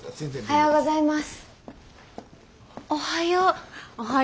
おはようございます。